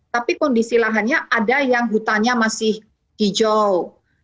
tapi kondisi lahannya ada yang hutannya masih hijau